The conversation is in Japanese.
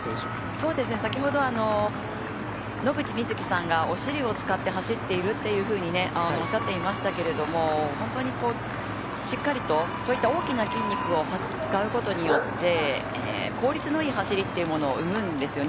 先ほど野口みずきさんがお尻を使って走っているっておっしゃっていましたけれども本当にしっかりとそういった大きな筋肉を使うことによって効率のいい走りっていうのを生むんですよね。